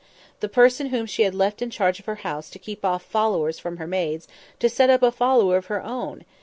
The person whom she had left in charge of her house to keep off followers from her maids to set up a follower of her own!